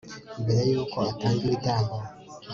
mbere y'uko atanga ibitambo